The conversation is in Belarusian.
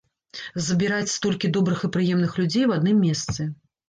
Збіраць столькі добрых і прыемных людзей у адным месцы.